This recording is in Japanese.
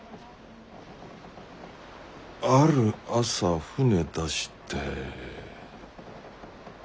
ある朝船出して。